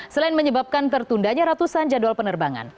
selain menyebabkan tertundanya ratusan jadwal penerbangan